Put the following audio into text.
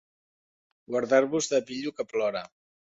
Guardau-vos de pillo que plora.